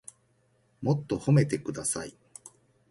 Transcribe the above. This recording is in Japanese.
もっと褒めてください